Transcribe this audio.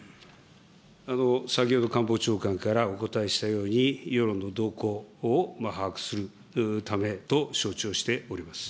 先ほど官房長官からお答えしたように、世論の動向を把握するためと承知をしております。